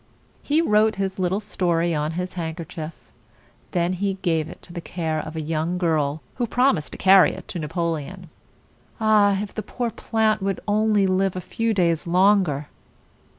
He wrote his little story on his hand ker chief. Then he gave it into the care of a young girl, who promised to carry it to Napoleon. Ah! if the poor plant would only live a few days longer!